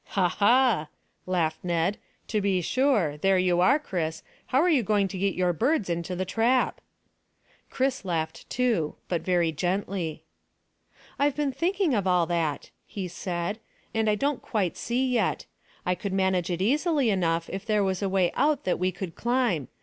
"Ha, ha!" laughed Ned. "To be sure. There you are, Chris: how are you going to get your birds into the trap?" Chris laughed too, but very gently. "I've been thinking of all that," he said, "and I don't quite see yet. I could manage it easily enough if there was a way out that we could climb.